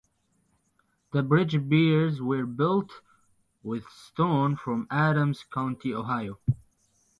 The bridge piers were built with stone from Adams County, Ohio.